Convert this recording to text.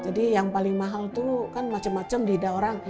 jadi yang paling mahal itu kan macam macam di daerah orang